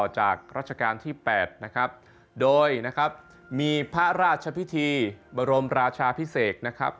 รัชกาลที่๘นะครับโดยนะครับมีพระราชพิธีบรมราชาพิเศษนะครับ